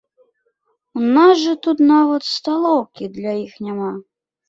У нас жа тут нават сталоўкі для іх няма.